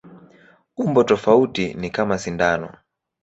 Umbo tofauti ni kama sindano.